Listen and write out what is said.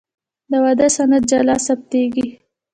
د واده سند جلا ثبتېږي.